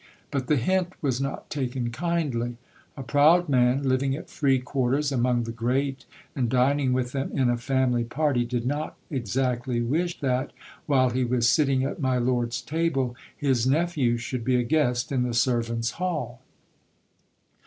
But the hint was not taken kindly. A proud man, living at free quarters among the great, and dining with them in a family party, did not exactly wish that, while he was sitting at my lord's table, his nephew should be a guest in the servants' hall.